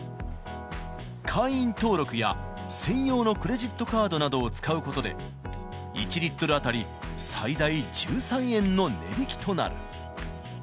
会員登録や専用のクレジットカードなどを使うことで、１リットル当たり最大１３円の値引きとなる。